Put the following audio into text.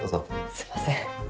すみません。